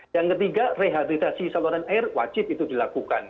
yang ketiga rehabilitasi saluran air wajib itu dilakukan